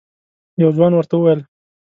یو ځوان ورته وویل: